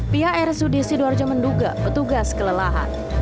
pihak rsud sidoarjo menduga petugas kelelahan